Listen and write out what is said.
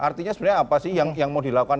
artinya sebenarnya apa sih yang mau dilakukan